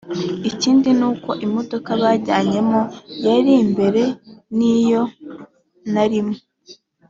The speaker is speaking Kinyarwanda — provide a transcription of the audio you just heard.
ikindi n’uko imodoka banjyanyemo yari imbere y’iyo narimo